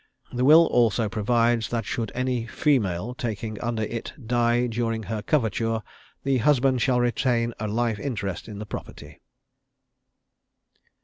The will also provides that should any female taking under it die during her coverture, the husband shall retain a life interest in the property.